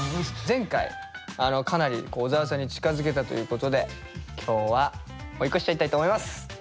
前回かなり小沢さんに近づけたということで今日は追い越しちゃいたいと思います。